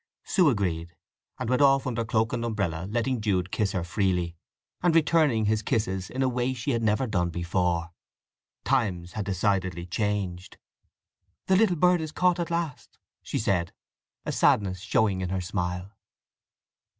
Sue agreed, and went off under cloak and umbrella letting Jude kiss her freely, and returning his kisses in a way she had never done before. Times had decidedly changed. "The little bird is caught at last!" she said, a sadness showing in her smile.